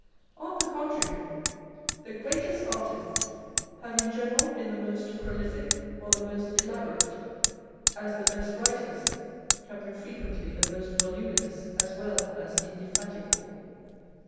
On the contrary, the greatest artists have in general been the most prolific or the most elaborate, as the best writers have been frequently the most voluminous as well as in defatigable.